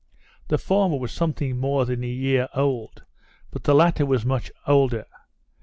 The former was something more than a year old; but the latter was much older.